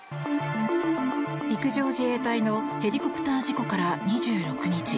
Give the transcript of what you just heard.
陸上自衛隊のヘリコプター事故から２６日。